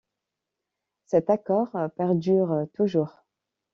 Cet accord perdure toujours.